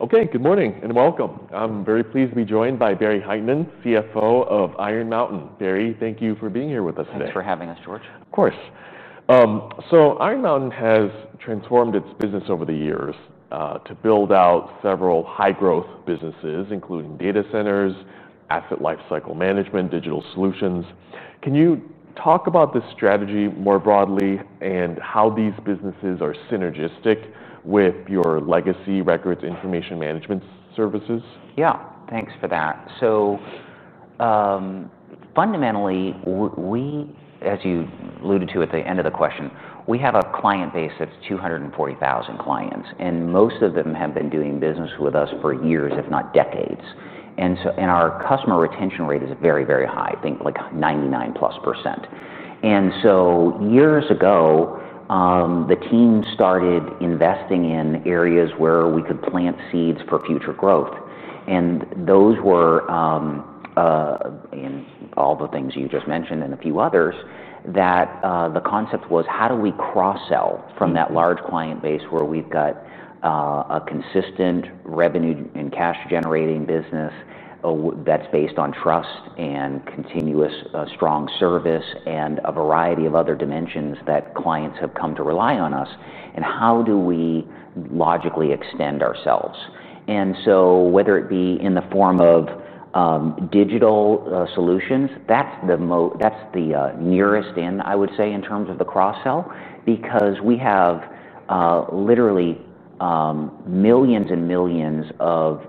Okay, good morning and welcome. I'm very pleased to be joined by Barry Hytinen, CFO of Iron Mountain. Barry, thank you for being here with us today. Thanks for having us, George. Of course. Iron Mountain has transformed its business over the years to build out several high-growth businesses, including Data Centers, Asset Lifecycle Management, and Digital Solutions. Can you talk about the strategy more broadly and how these businesses are synergistic with your legacy Records and Information Management services? Yeah, thanks for that. Fundamentally, we, as you alluded to at the end of the question, we have a client base that's 240,000 clients, and most of them have been doing business with us for years, if not decades. Our customer retention rate is very, very high, I think like 99%+. Years ago, the team started investing in areas where we could plant seeds for future growth. Those were in all the things you just mentioned and a few others. The concept was how do we cross-sell from that large client base where we've got a consistent revenue and cash-generating business that's based on trust and continuous, strong service and a variety of other dimensions that clients have come to rely on us. How do we logically extend ourselves? Whether it be in the form of digital solutions, that's the nearest end, I would say, in terms of the cross-sell because we have literally millions and millions of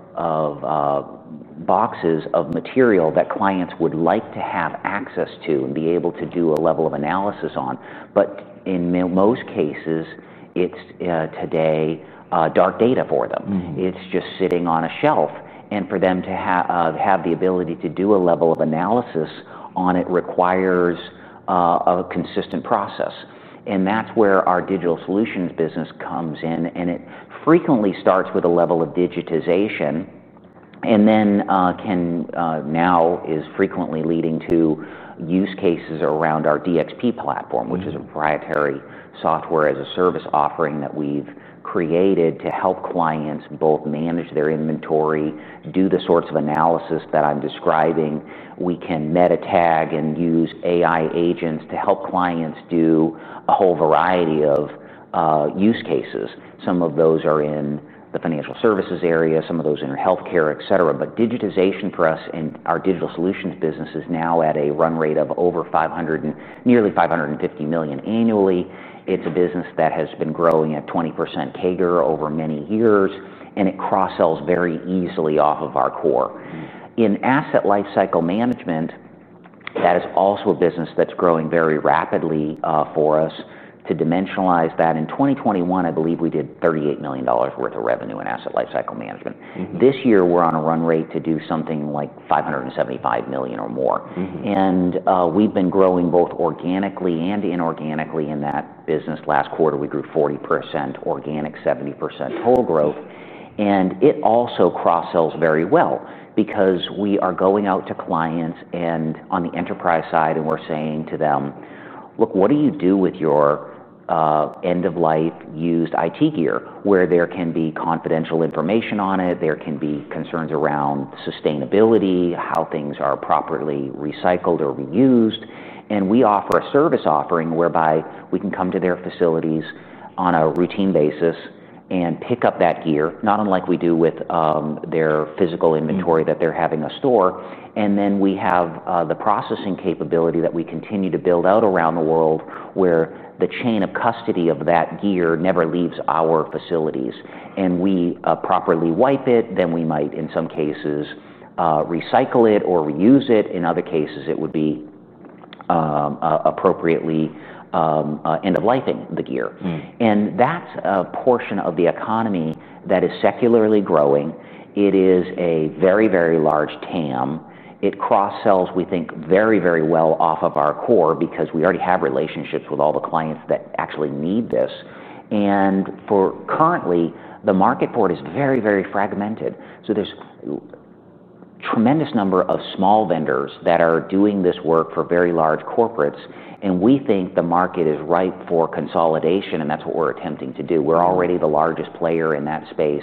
boxes of material that clients would like to have access to and be able to do a level of analysis on. In most cases, it's today dark data for them. It's just sitting on a shelf. For them to have the ability to do a level of analysis on it requires a consistent process. That's where our digital solutions business comes in. It frequently starts with a level of digitization and now is frequently leading to use cases around our DXP platform, which is a proprietary software as a service offering that we've created to help clients both manage their inventory and do the sorts of analysis that I'm describing. We can meta tag and use AI agents to help clients do a whole variety of use cases. Some of those are in the financial services area, some of those in healthcare, et cetera. Digitization for us in our digital solutions business is now at a run rate of over $500 million, nearly $550 million annually. It's a business that has been growing at 20% CAGR over many years. It cross-sells very easily off of our core. In Asset Lifecycle Management, that is also a business that's growing very rapidly. For us to dimensionalize that, in 2021, I believe we did $38 million worth of revenue in Asset Lifecycle Management. This year, we're on a run rate to do something like $575 million or more. We've been growing both organically and inorganically in that business. Last quarter, we grew 40% organic, 70% total growth. It also cross-sells very well because we are going out to clients on the enterprise side, and we're saying to them, "Look, what do you do with your end-of-life used IT gear where there can be confidential information on it? There can be concerns around sustainability, how things are properly recycled or reused." We offer a service offering whereby we can come to their facilities on a routine basis and pick up that gear, not unlike we do with their physical inventory that they're having us store. We have the processing capability that we continue to build out around the world where the chain of custody of that gear never leaves our facilities. We properly wipe it. Then we might, in some cases, recycle it or reuse it. In other cases, it would be appropriately end-of-lifing the gear. That is a portion of the economy that is secularly growing. It is a very, very large TAM. It cross-sells, we think, very, very well off of our core because we already have relationships with all the clients that actually need this. Currently, the market for it is very, very fragmented. There is a tremendous number of small vendors that are doing this work for very large corporates. We think the market is ripe for consolidation, and that's what we're attempting to do. We're already the largest player in that space.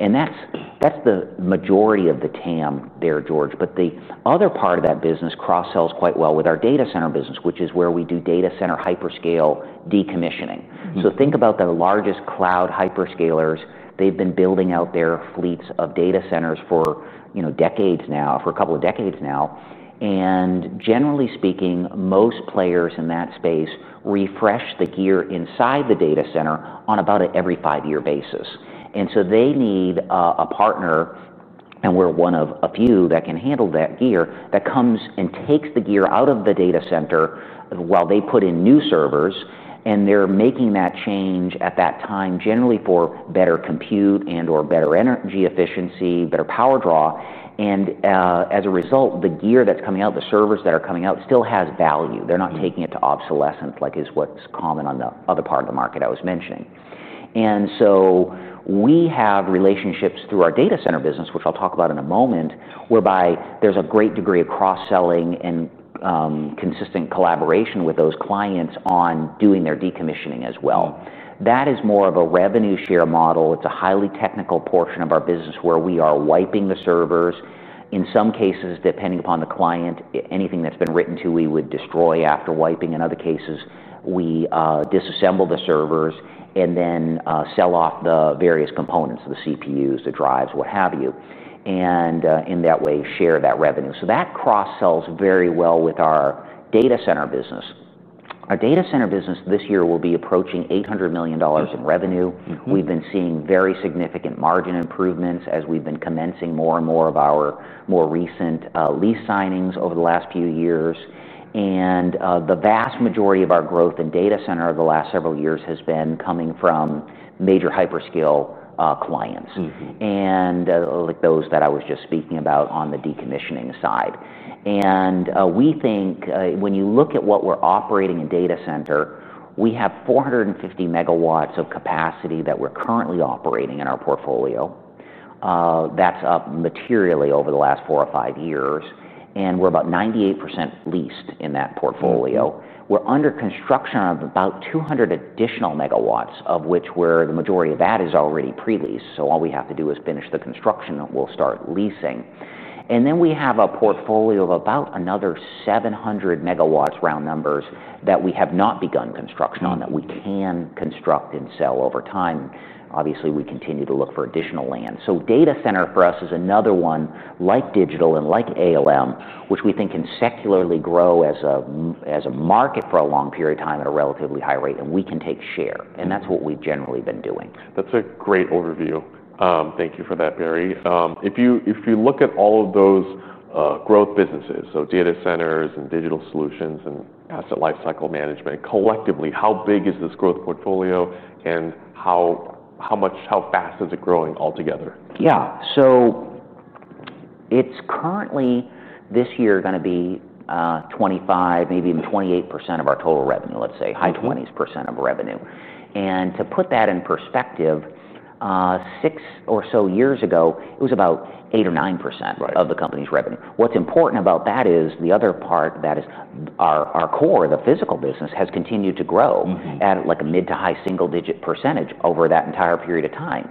That's the majority of the TAM there, George. The other part of that business cross-sells quite well with our Data Center business, which is where we do Data Center hyperscale decommissioning. Think about the largest cloud hyperscalers. They've been building out their fleets of data centers for decades now, for a couple of decades now. Generally speaking, most players in that space refresh the gear inside the Data Center on about an every five-year basis. They need a partner, and we're one of a few that can handle that gear that comes and takes the gear out of the Data Center while they put in new servers. They're making that change at that time, generally for better compute and/or better energy efficiency, better power draw. As a result, the gear that's coming out, the servers that are coming out, still has value. They're not taking it to obsolescence, like is what's common on the other part of the market I was mentioning. We have relationships through our Data Center business, which I'll talk about in a moment, whereby there's a great degree of cross-selling and consistent collaboration with those clients on doing their decommissioning as well. That is more of a revenue share model. It's a highly technical portion of our business where we are wiping the servers. In some cases, depending upon the client, anything that's been written to we would destroy after wiping. In other cases, we disassemble the servers and then sell off the various components, the CPUs, the drives, what have you, and in that way share that revenue. That cross-sells very well with our data center business. Our data center business this year will be approaching $800 million in revenue. We've been seeing very significant margin improvements as we've been commencing more and more of our more recent lease signings over the last few years. The vast majority of our growth in data center over the last several years has been coming from major hyperscale clients, like those that I was just speaking about on the decommissioning side. We think, when you look at what we're operating in data center, we have 450 MW of capacity that we're currently operating in our portfolio. That's up materially over the last four or five years. We're about 98% leased in that portfolio. We're under construction of about 200 additional megawatts, of which the majority of that is already pre-leased. All we have to do is finish the construction, we'll start leasing. We have a portfolio of about another 700 MW, round numbers, that we have not begun construction on that we can construct and sell over time. Obviously, we continue to look for additional land. Data center for us is another one, like digital and like ALM, which we think can secularly grow as a market for a long period of time at a relatively high rate, and we can take share. That's what we've generally been doing. That's a great overview. Thank you for that, Barry. If you look at all of those growth businesses, so Data Centers and Digital Solutions and Asset Lifecycle Management collectively, how big is this growth portfolio and how fast is it growing altogether? Yeah. It's currently this year going to be 25%, maybe even 28% of our total revenue, let's say, high 20s percent of revenue. To put that in perspective, six or so years ago, it was about 8% or 9% of the company's revenue. What's important about that is the other part that is our core, the physical business, has continued to grow at like a mid to high single-digit percentage over that entire period of time.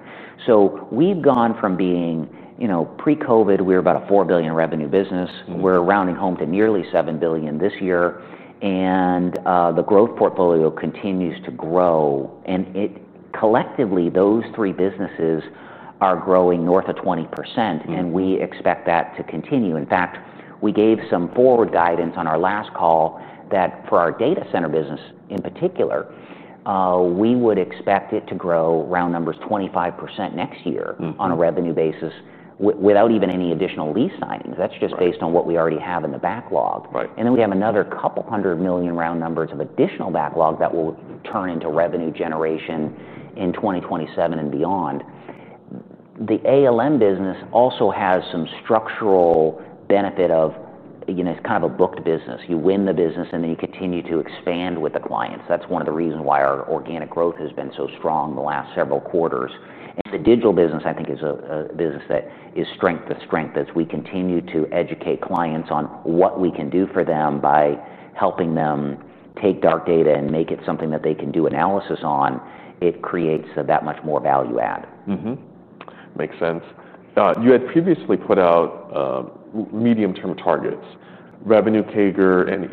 We've gone from being, you know, pre-COVID, we were about a $4 billion revenue business. We're rounding home to nearly $7 billion this year. The growth portfolio continues to grow, and it collectively, those three businesses are growing north of 20%. We expect that to continue. In fact, we gave some forward guidance on our last call that for our Data Center business in particular, we would expect it to grow, round numbers, 25% next year on a revenue basis without even any additional lease signings. That's just based on what we already have in the backlog. We have another couple hundred million, round numbers, of additional backlog that will turn into revenue generation in 2027 and beyond. The ALM business also has some structural benefit of, you know, it's kind of a booked business. You win the business, and then you continue to expand with the clients. That's one of the reasons why our organic growth has been so strong the last several quarters. The Digital business, I think, is a business that is strength to strength as we continue to educate clients on what we can do for them by helping them take dark data and make it something that they can do analysis on. It creates that much more value add. Makes sense. You had previously put out medium-term targets, revenue CAGR and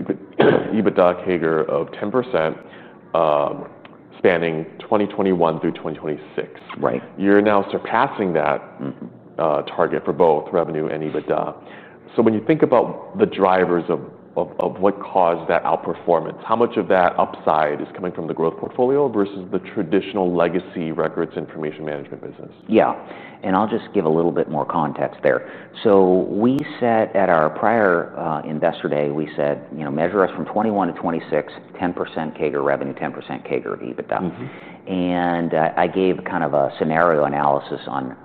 EBITDA CAGR of 10%, spanning 2021 through 2026. Right. You're now surpassing that target for both revenue and EBITDA. When you think about the drivers of what caused that outperformance, how much of that upside is coming from the growth portfolio versus the traditional legacy Records and Information Management business? Yeah. I'll just give a little bit more context there. We said at our prior Investor Day, you know, measure us from 2021 to 2026, 10% CAGR revenue, 10% CAGR of EBITDA. I gave kind of a scenario analysis on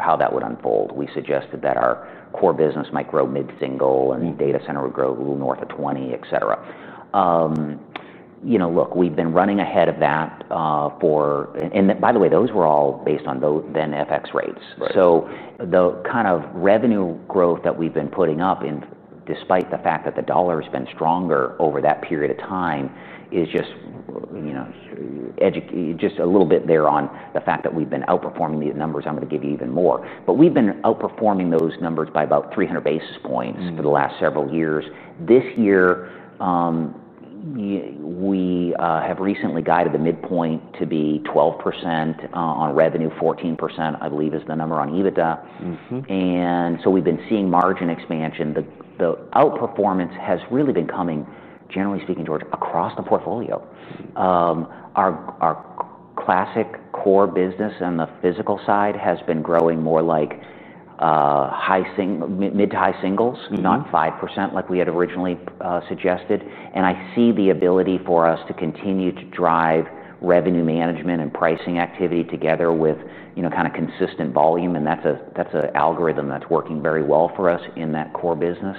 how that would unfold. We suggested that our core business might grow mid-single and Data Centers would grow a little north of 20%, et cetera. We've been running ahead of that, and by the way, those were all based on the then FX rates. The kind of revenue growth that we've been putting up, despite the fact that the dollar has been stronger over that period of time, is just a little bit there on the fact that we've been outperforming the numbers. I'm going to give you even more. We've been outperforming those numbers by about 300 basis points for the last several years. This year, we have recently guided the midpoint to be 12% on revenue, 14% I believe is the number on EBITDA. We've been seeing margin expansion. The outperformance has really been coming, generally speaking, George, across the portfolio. Our classic core business on the physical side has been growing more like high mid to high singles, not 5% like we had originally suggested. I see the ability for us to continue to drive revenue management and pricing activity together with kind of consistent volume. That's an algorithm that's working very well for us in that core business.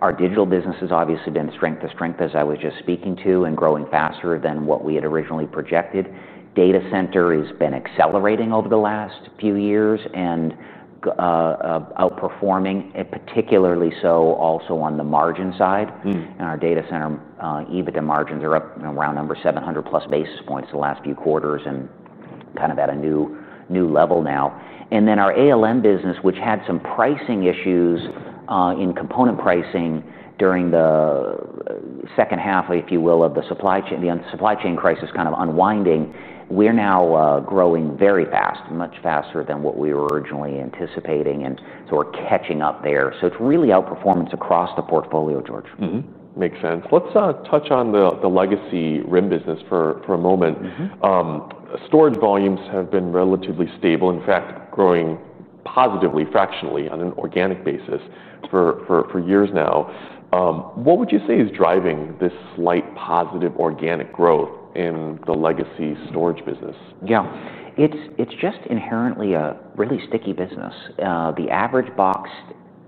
Our digital business has obviously been strength to strength, as I was just speaking to, and growing faster than what we had originally projected. Data Centers have been accelerating over the last few years and outperforming, particularly so also on the margin side. Our Data Center EBITDA margins are up around 700+ basis points the last few quarters and kind of at a new level now. Our ALM business, which had some pricing issues in component pricing during the second half, if you will, of the supply chain, the supply chain crisis kind of unwinding, we're now growing very fast, much faster than what we were originally anticipating. We're catching up there. It's really outperformance across the portfolio, George. Makes sense. Let's touch on the legacy RIM business for a moment. Storage volumes have been relatively stable, in fact, growing positively fractionally on an organic basis for years now. What would you say is driving this slight positive organic growth in the legacy storage business? Yeah. It's just inherently a really sticky business. The average box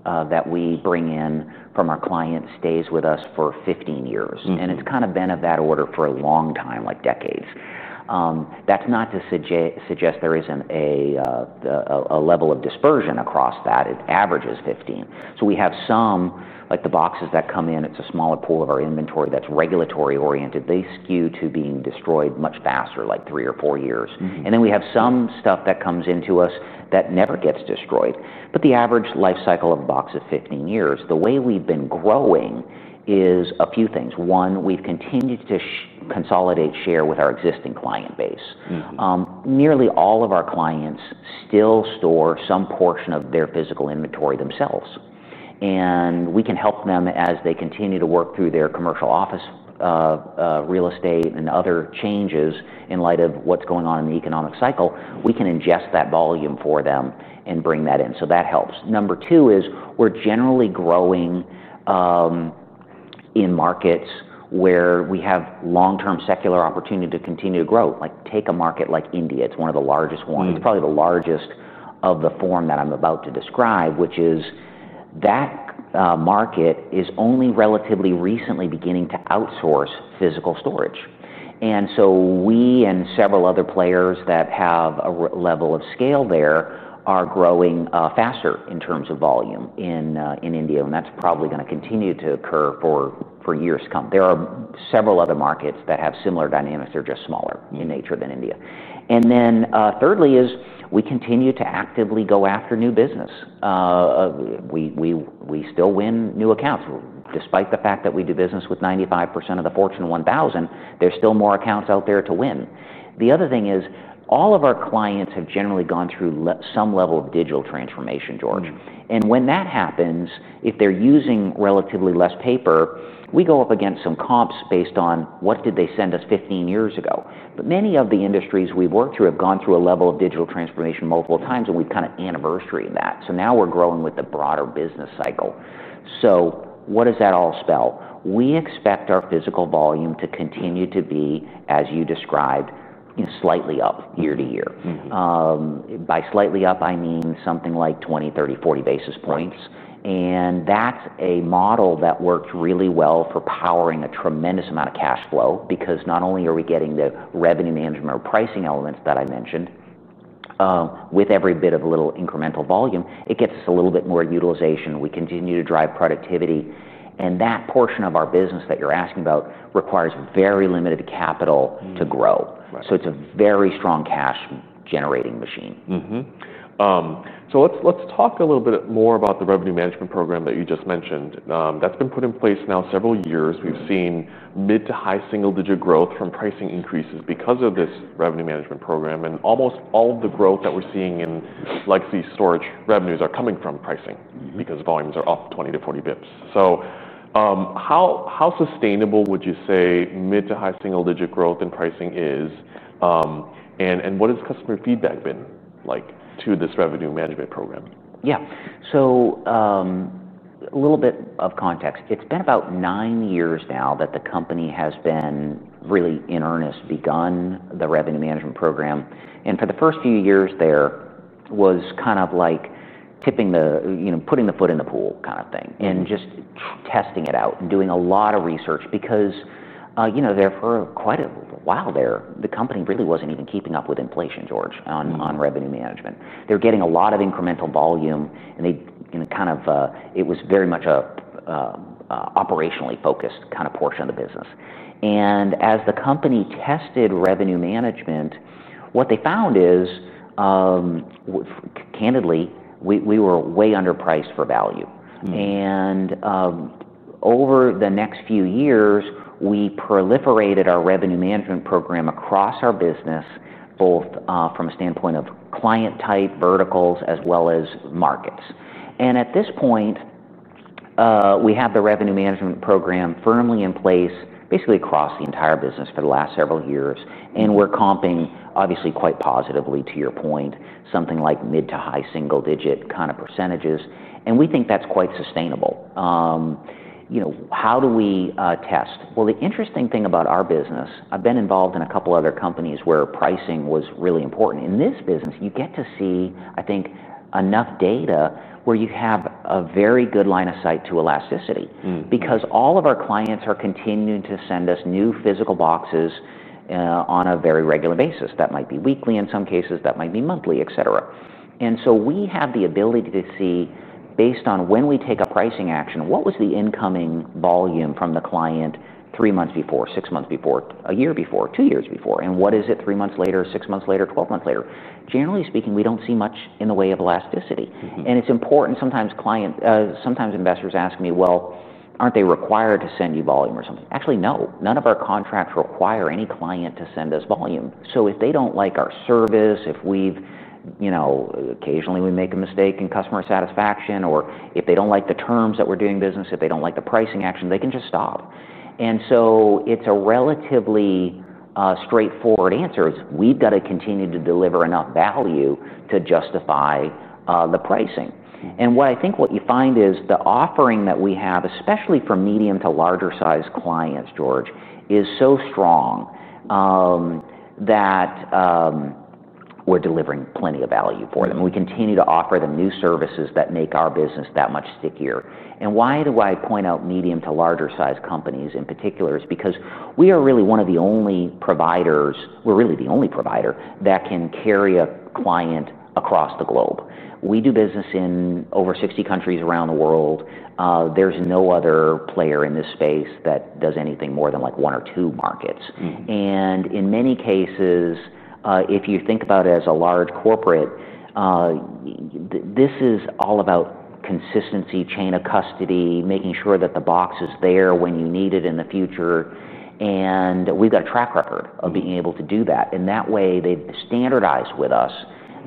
that we bring in from our client stays with us for 15 years. It's kind of been of that order for a long time, like decades. That's not to suggest there isn't a level of dispersion across that. It averages 15. We have some, like the boxes that come in, it's a smaller pool of our inventory that's regulatory oriented. They skew to being destroyed much faster, like three or four years. We have some stuff that comes into us that never gets destroyed. The average lifecycle of a box is 15 years. The way we've been growing is a few things. One, we've continued to consolidate share with our existing client base. Nearly all of our clients still store some portion of their physical inventory themselves. We can help them as they continue to work through their commercial office real estate and other changes in light of what's going on in the economic cycle. We can ingest that volume for them and bring that in. That helps. Number two is we're generally growing in markets where we have long-term secular opportunity to continue to grow. Take a market like India. It's one of the largest ones. It's probably the largest of the form that I'm about to describe, which is that market is only relatively recently beginning to outsource physical storage. We and several other players that have a level of scale there are growing faster in terms of volume in India. That's probably going to continue to occur for years to come. There are several other markets that have similar dynamics. They're just smaller in nature than India. Thirdly, we continue to actively go after new business. We still win new accounts. Despite the fact that we do business with 95% of the Fortune 1000, there's still more accounts out there to win. The other thing is all of our clients have generally gone through some level of digital transformation, George. When that happens, if they're using relatively less paper, we go up against some comps based on what did they send us 15 years ago. Many of the industries we've worked through have gone through a level of digital transformation multiple times, and we've kind of anniversaried that. Now we're growing with the broader business cycle. What does that all spell? We expect our physical volume to continue to be, as you described, you know, slightly up year to year. By slightly up, I mean something like 20, 30, 40 basis points. That's a model that works really well for powering a tremendous amount of cash flow because not only are we getting the revenue management or pricing elements that I mentioned, with every bit of a little incremental volume, it gets us a little bit more utilization. We continue to drive productivity, and that portion of our business that you're asking about requires very limited capital to grow. It's a very strong cash-generating machine. Let's talk a little bit more about the revenue management program that you just mentioned. That's been put in place now several years. We've seen mid to high single-digit growth from pricing increases because of this revenue management program. Almost all of the growth that we're seeing in legacy storage revenues are coming from pricing because volumes are up 20 basis points- 40 basis points. How sustainable would you say mid to high single-digit growth in pricing is, and what has customer feedback been like to this revenue management program? Yeah. A little bit of context. It's been about nine years now that the company has really in earnest begun the revenue management program. For the first few years, there was kind of like tipping the, you know, putting the foot in the pool kind of thing and just testing it out and doing a lot of research because, you know, for quite a while there, the company really wasn't even keeping up with inflation, George, on revenue management. They're getting a lot of incremental volume, and they, you know, kind of, it was very much an operationally focused kind of portion of the business. As the company tested revenue management, what they found is, candidly, we were way underpriced for value. Over the next few years, we proliferated our revenue management program across our business, both from a standpoint of client type, verticals, as well as markets. At this point, we have the revenue management program firmly in place, basically across the entire business for the last several years. We're comping, obviously, quite positively to your point, something like mid to high single-digit kind of percentages. We think that's quite sustainable. You know, how do we test? The interesting thing about our business, I've been involved in a couple of other companies where pricing was really important. In this business, you get to see, I think, enough data where you have a very good line of sight to elasticity because all of our clients are continuing to send us new physical boxes on a very regular basis. That might be weekly in some cases. That might be monthly, et cetera. We have the ability to see, based on when we take a pricing action, what was the incoming volume from the client three months before, six months before, a year before, two years before, and what is it three months later, six months later, 12 months later. Generally speaking, we don't see much in the way of elasticity. It's important. Sometimes clients, sometimes investors ask me, aren't they required to send you volume or something? Actually, no. None of our contracts require any client to send us volume. If they don't like our service, if we've, you know, occasionally we make a mistake in customer satisfaction, or if they don't like the terms that we're doing business, if they don't like the pricing action, they can just stop. It's a relatively straightforward answer. We've got to continue to deliver enough value to justify the pricing. What I think you find is the offering that we have, especially for medium to larger size clients, George, is so strong that we're delivering plenty of value for them. We continue to offer them new services that make our business that much stickier. Why do I point out medium to larger size companies in particular? It's because we are really one of the only providers, we're really the only provider that can carry a client across the globe. We do business in over 60 countries around the world. There's no other player in this space that does anything more than like one or two markets. In many cases, if you think about it as a large corporate, this is all about consistency, chain of custody, making sure that the box is there when you need it in the future. We've got a track record of being able to do that. That way, they standardize with us,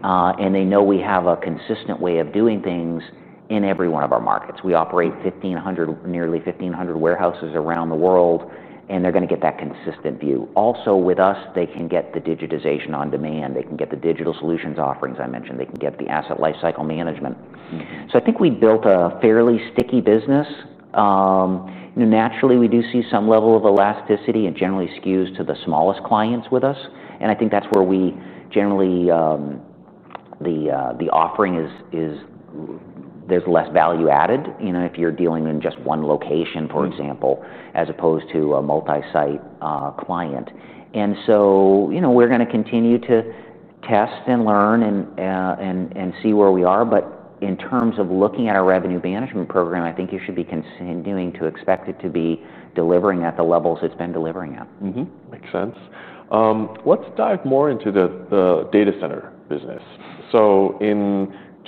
and they know we have a consistent way of doing things in every one of our markets. We operate nearly 1,500 warehouses around the world, and they're going to get that consistent view. Also, with us, they can get the digitization on demand. They can get the digital solutions offerings I mentioned. They can get the Asset Lifecycle Management. I think we built a fairly sticky business. Naturally, we do see some level of elasticity and generally skews to the smallest clients with us. I think that's where generally the offering is, there's less value added, you know, if you're dealing in just one location, for example, as opposed to a multi-site client. We're going to continue to test and learn and see where we are. In terms of looking at our revenue management program, I think you should be continuing to expect it to be delivering at the levels it's been delivering at. Makes sense. Let's dive more into the data center business.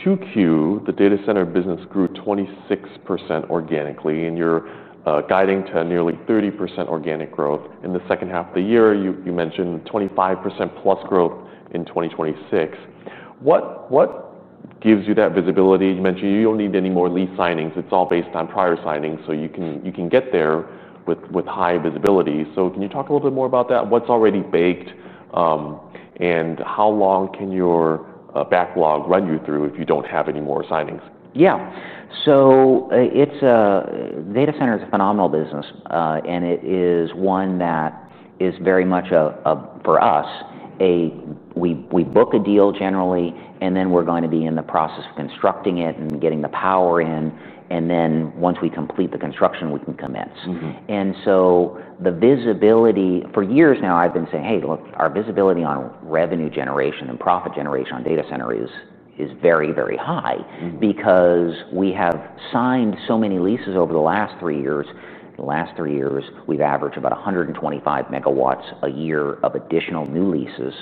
In Q2, the data center business grew 26% organically, and you're guiding to nearly 30% organic growth in the second half of the year. You mentioned 25%+ growth in 2026. What gives you that visibility? You mentioned you don't need any more lease signings. It's all based on prior signings, so you can get there with high visibility. Can you talk a little bit more about that? What's already baked, and how long can your backlog run you through if you don't have any more signings? Yeah. So a data center is a phenomenal business, and it is one that is very much, for us, we book a deal generally, and then we're going to be in the process of constructing it and getting the power in. Once we complete the construction, we can commence. The visibility for years now, I've been saying, hey, look, our visibility on revenue generation and profit generation on data center is very, very high because we have signed so many leases over the last three years. The last three years, we've averaged about 125 MW a year of additional new leases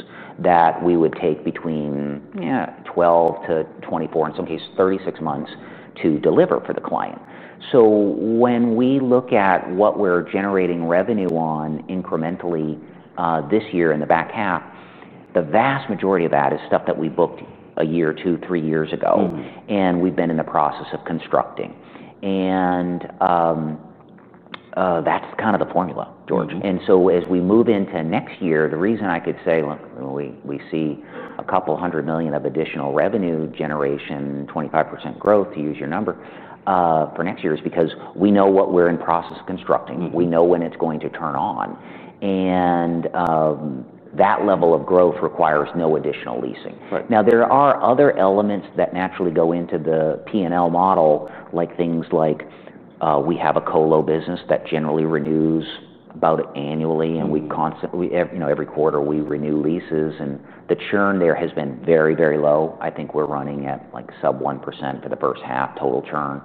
that we would take between, yeah, 12 - 24, in some cases, 36 months to deliver for the client. When we look at what we're generating revenue on incrementally, this year in the back half, the vast majority of that is stuff that we booked a year, two, three years ago. We've been in the process of constructing, and that's kind of the formula, George. As we move into next year, the reason I could say, look, we see a couple hundred million of additional revenue generation, 25% growth, to use your number, for next year is because we know what we're in process of constructing. We know when it's going to turn on. That level of growth requires no additional leasing. There are other elements that naturally go into the P&L model, like things like, we have a colo business that generally renews about annually, and every quarter we renew leases. The churn there has been very, very low. I think we're running at like sub 1% for the first half total churn,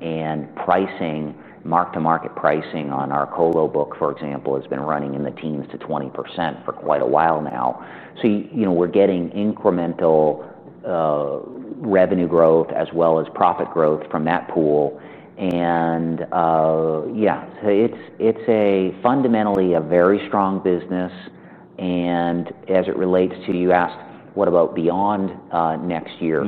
and pricing, mark-to-market pricing on our colo book, for example, has been running in the teens to 20% for quite a while now. We're getting incremental revenue growth as well as profit growth from that pool. Yeah, so it's fundamentally a very strong business. As it relates to you asked, what about beyond next year?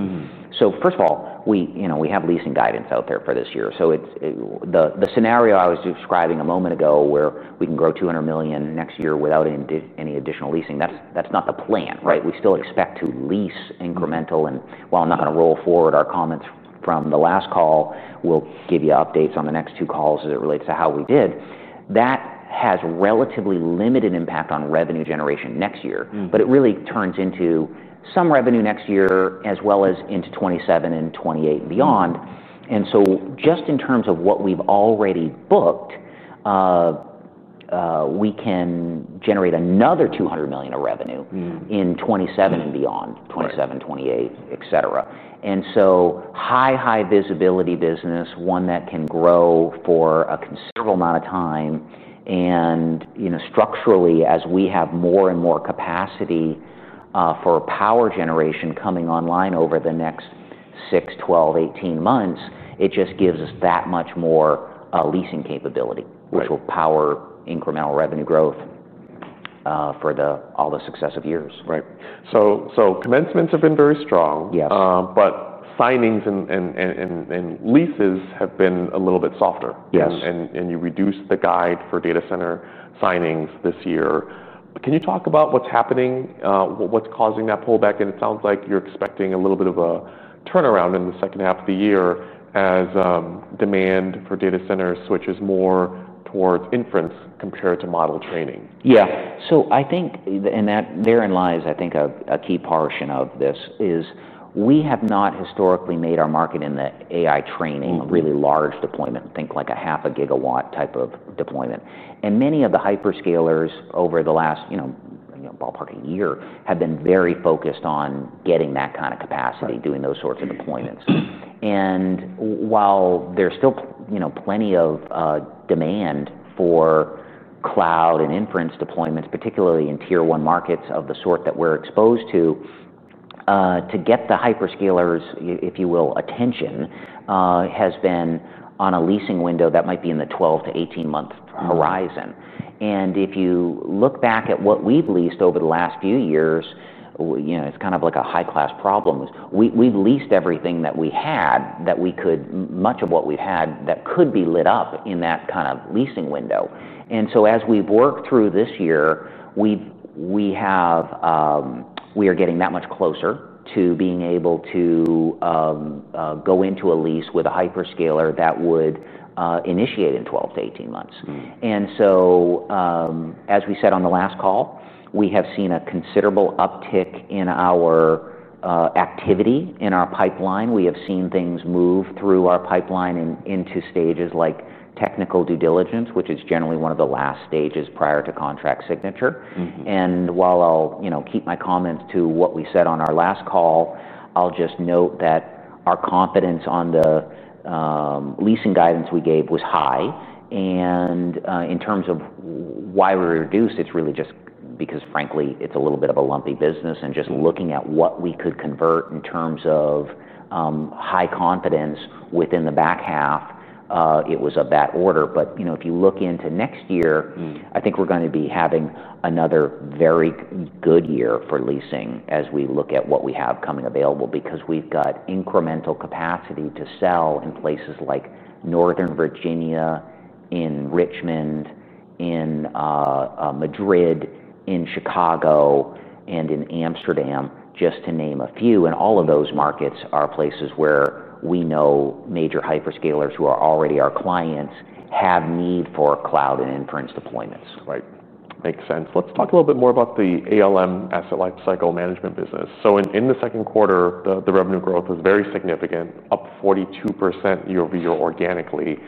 First of all, we have leasing guidance out there for this year. The scenario I was describing a moment ago where we can grow $200 million next year without any additional leasing, that's not the plan, right? We still expect to lease incremental. While I'm not going to roll forward our comments from the last call, we'll give you updates on the next two calls as it relates to how we did. That has relatively limited impact on revenue generation next year, but it really turns into some revenue next year as well as into 2027 and 2028 and beyond. Just in terms of what we've already booked, we can generate another $200 million of revenue in 2027 and beyond, 2027, 2028, et cetera. High, high visibility business, one that can grow for a considerable amount of time. Structurally, as we have more and more capacity for power generation coming online over the next six, 12, 18 months, it just gives us that much more leasing capability, which will power incremental revenue growth for all the successive years. Right. Commencements have been very strong. Yes. Signings and leases have been a little bit softer. Yes. You reduced the guide for data center signings this year. Can you talk about what's happening, what's causing that pullback? It sounds like you're expecting a little bit of a turnaround in the second half of the year as demand for data centers switches more towards inference compared to model training. Yeah. I think therein lies, I think, a key portion of this. We have not historically made our market in the AI training, really large deployment, think like a half a gigawatt type of deployment. Many of the hyperscalers over the last, you know, ballpark a year, have been very focused on getting that kind of capacity, doing those sorts of deployments. While there's still, you know, plenty of demand for cloud and inference deployments, particularly in tier one markets of the sort that we're exposed to, to get the hyperscalers', if you will, attention has been on a leasing window that might be in the 12 - 18 month horizon. If you look back at what we've leased over the last few years, you know, it's kind of like a high-class problem. We've leased everything that we had, that we could, much of what we've had that could be lit up in that kind of leasing window. As we've worked through this year, we are getting that much closer to being able to go into a lease with a hyperscaler that would initiate in 12 - 18 months. As we said on the last call, we have seen a considerable uptick in our activity in our pipeline. We have seen things move through our pipeline and into stages like technical due diligence, which is generally one of the last stages prior to contract signature. While I'll keep my comments to what we said on our last call, I'll just note that our confidence on the leasing guidance we gave was high. In terms of why we're reduced, it's really just because, frankly, it's a little bit of a lumpy business. Just looking at what we could convert in terms of high confidence within the back half, it was of that order. If you look into next year, I think we're going to be having another very good year for leasing as we look at what we have coming available because we've got incremental capacity to sell in places like Northern Virginia, in Richmond, in Madrid, in Chicago, and in Amsterdam, just to name a few. All of those markets are places where we know major hyperscalers who are already our clients have need for cloud and inference deployments. Right. Makes sense. Let's talk a little bit more about the ALM Asset Lifecycle Management business. In the second quarter, the revenue growth was very significant, up 42% year- over- year organically.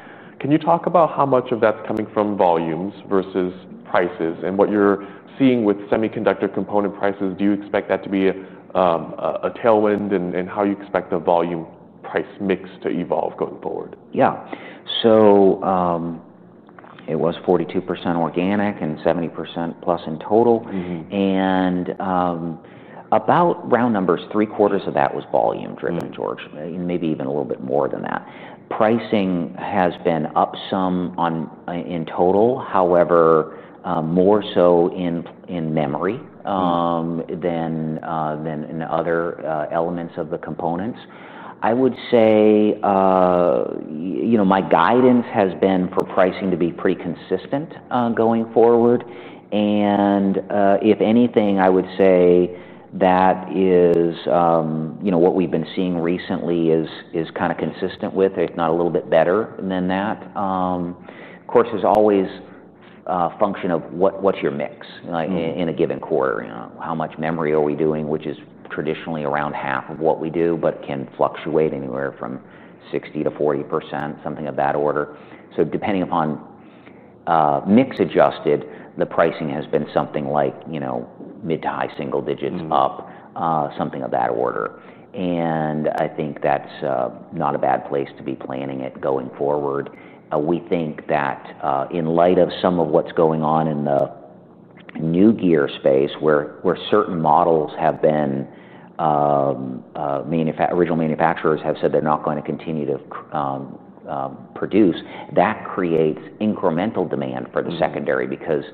Can you talk about how much of that's coming from volumes versus prices and what you're seeing with semiconductor component prices? Do you expect that to be a tailwind and how you expect the volume price mix to evolve going forward? Yeah. It was 42% organic and 70%+ in total. About, round numbers, three quarters of that was volume-driven, George, and maybe even a little bit more than that. Pricing has been up some in total, however, more so in memory than in other elements of the components. I would say, you know, my guidance has been for pricing to be pretty consistent going forward. If anything, I would say that is, you know, what we've been seeing recently is kind of consistent with, if not a little bit better than that. Of course, there's always a function of what's your mix in a given quarter. You know, how much memory are we doing, which is traditionally around half of what we do, but can fluctuate anywhere from 60% - 40%, something of that order. Depending upon mix adjusted, the pricing has been something like, you know, mid to high single digits up, something of that order. I think that's not a bad place to be planning it going forward. We think that, in light of some of what's going on in the new gear space where certain models have been, original manufacturers have said they're not going to continue to produce, that creates incremental demand for the secondary because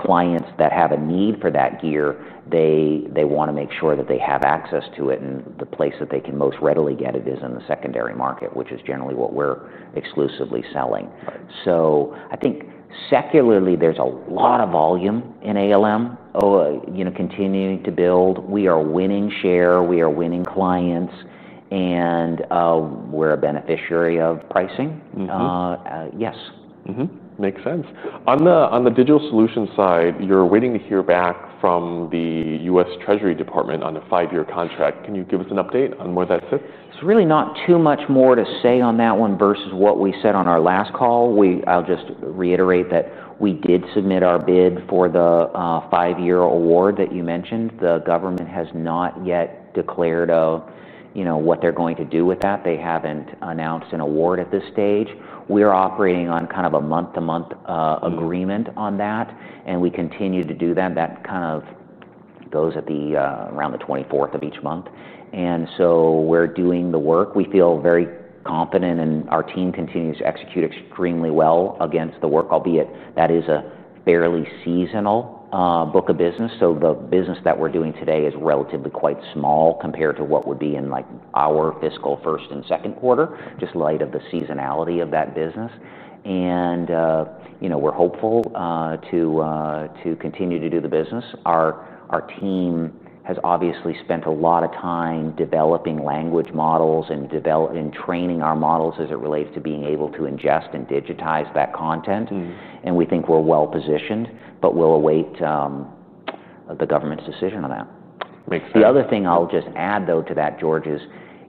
clients that have a need for that gear, they want to make sure that they have access to it. The place that they can most readily get it is in the secondary market, which is generally what we're exclusively selling. I think secularly, there's a lot of volume in ALM, you know, continuing to build. We are winning share. We are winning clients. We're a beneficiary of pricing. Yes. Makes sense. On the digital solutions side, you're waiting to hear back from the U.S. Treasury Department on a five-year contract. Can you give us an update on where that's at? There is not too much more to say on that one versus what we said on our last call. I'll just reiterate that we did submit our bid for the five-year award that you mentioned. The government has not yet declared what they're going to do with that. They haven't announced an award at this stage. We are operating on a month-to-month agreement on that, and we continue to do that. That goes at around the 24th of each month. We're doing the work. We feel very confident, and our team continues to execute extremely well against the work, albeit that is a fairly seasonal book of business. The business that we're doing today is relatively quite small compared to what would be in our fiscal first and second quarter, just in light of the seasonality of that business. We're hopeful to continue to do the business. Our team has obviously spent a lot of time developing language models and developing and training our models as it relates to being able to ingest and digitize that content. We think we're well positioned, but we'll await the government's decision on that. Makes sense. The other thing I'll just add to that, George, is,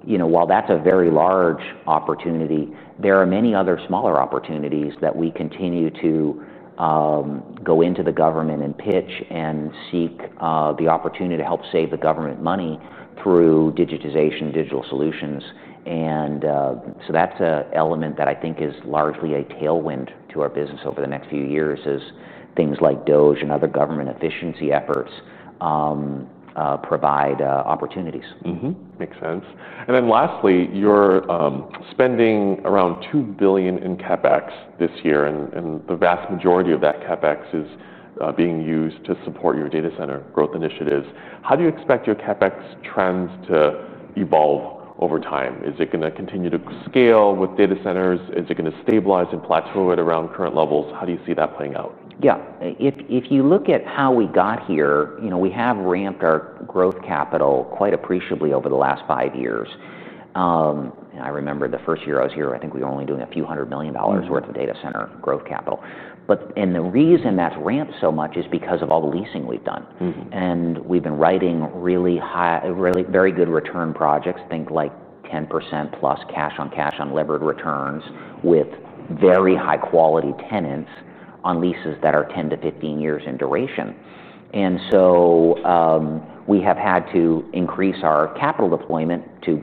you know, while that's a very large opportunity, there are many other smaller opportunities that we continue to go into the government and pitch and seek the opportunity to help save the government money through digitization, digital solutions. That's an element that I think is largely a tailwind to our business over the next few years, as things like DOGE and other government efficiency efforts provide opportunities. Makes sense. Lastly, you're spending around $2 billion in CapEx this year, and the vast majority of that CapEx is being used to support your data center growth initiatives. How do you expect your CapEx trends to evolve over time? Is it going to continue to scale with data centers? Is it going to stabilize and plateau at around current levels? How do you see that playing out? Yeah. If you look at how we got here, you know, we have ramped our growth capital quite appreciably over the last five years. I remember the first year I was here, I think we were only doing a few hundred million dollars' worth of data center growth capital. The reason that's ramped so much is because of all the leasing we've done. We've been writing really high, really very good return projects, think like 10% plus cash on cash unlevered returns with very high-quality tenants on leases that are 10 - 15 years in duration. We have had to increase our capital deployment to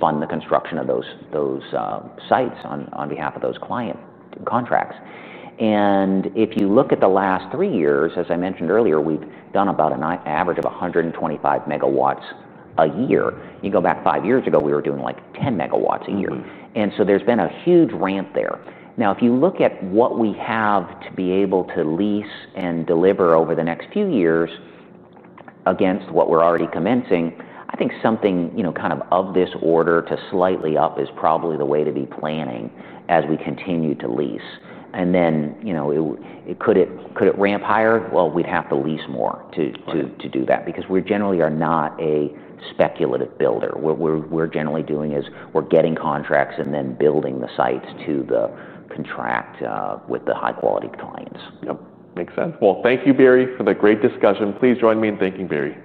fund the construction of those sites on behalf of those client contracts. If you look at the last three years, as I mentioned earlier, we've done about an average of 125 MW a year. You go back five years ago, we were doing like 10 MW a year. There's been a huge ramp there. Now, if you look at what we have to be able to lease and deliver over the next few years against what we're already commencing, I think something, you know, kind of of this order to slightly up is probably the way to be planning as we continue to lease. Could it ramp higher? We'd have to lease more to do that because we generally are not a speculative builder. What we're generally doing is we're getting contracts and then building the sites to the contract with the high-quality clients. Makes sense. Thank you, Barry, for the great discussion. Please join me in thanking Barry.